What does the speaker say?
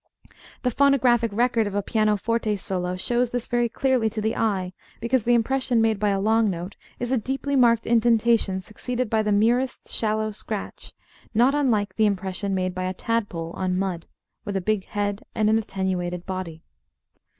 The phonographic record of a pianoforte solo shows this very clearly to the eye, because the impression made by a long note is a deeply marked indentation succeeded by the merest shallow scratch not unlike the impression made by a tadpole on mud with a big head and an attenuated body.